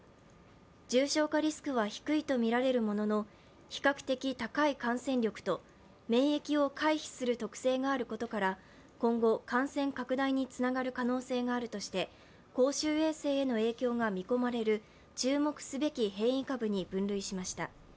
重症化リスクは低いとみられるものの比較的高い感染力と免疫を回避する特性があることから、今後、感染拡大につながる可能性があるとして公衆衛生への影響が見込まれる注目すべき変異株に分類しました。